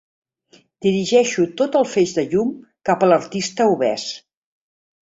Dirigeixo tot el feix de llum cap a l'artista obès.